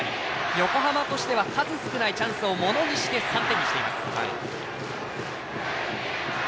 横浜としては数少ないチャンスをものにして３点にしています。